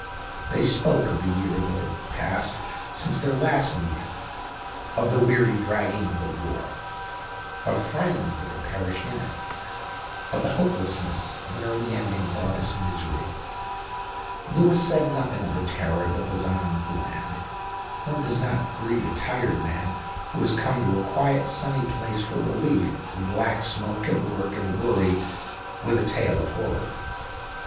They spoke of the year that had passed since their last meeting, of the weary dragging of the war, of friends that had perished in it, of the hopelessness of an early ending of all this misery. Lewis said nothing of the terror that was on the land. One does not greet a tired man who is come to a quiet, sunny place for relief from black smoke and work and worry with a tale of horror.